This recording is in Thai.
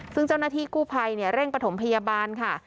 ซึ่งเจ้านาทีกู้ภัยเนี่ยเร่งปฐมพยาบาลค่ะ